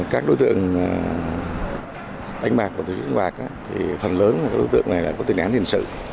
các đối tượng đánh bạc và tổ chức đánh bạc phần lớn là đối tượng này là tên án liên sự